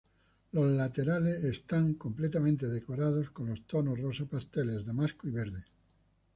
Las laterales estos completamente decorados con los tonos rosa pasteles, damasco y verde.